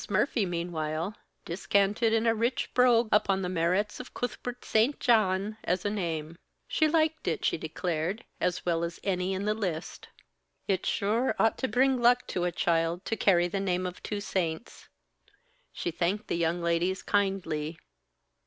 Murphy, meanwhile, discanted in a rich brogue upon the merits of "Coothbert St. Jawn" as a name. She liked it, she declared, as well as any in the list. It sure ought to bring luck to a child to carry the name of two saints. She thanked the young ladies kindly.